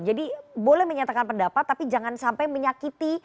jadi boleh menyatakan pendapat tapi jangan sampai menyakiti